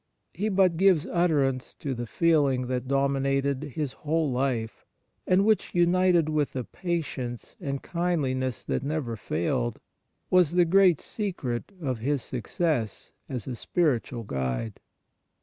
he but gives utterance to the feeling that dominated his whole life, and which, united with a patience and kindliness that never 12 Memoir of Father Faber failed, was the great secret of his success as a spiritual guide.